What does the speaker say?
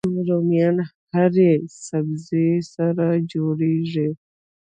رومیان له هرې سبزي سره جوړيږي